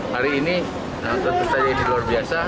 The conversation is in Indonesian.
hari ini tentu saja ini luar biasa